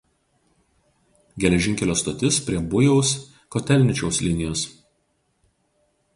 Geležinkelio stotis prie Bujaus–Kotelničiaus linijos.